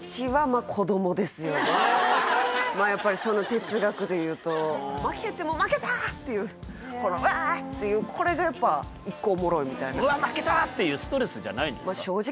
まあやっぱりその哲学でいうと負けても「負けたぁ！」っていうこの「うわ」っていう「うわ負けた」っていうストレスじゃないんですか？